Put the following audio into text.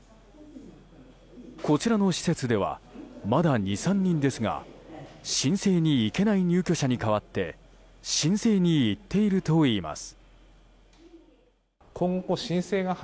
こちらの施設ではまだ２３人ですが申請に行けない入居者に代わって申請に行っているといいます。